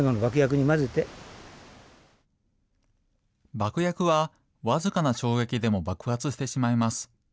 爆薬は、僅かな衝撃でも爆発してしまいます。